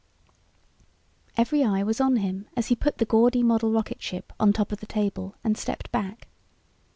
Every eye was on him as he put the gaudy model rocketship on top of the table and stepped back.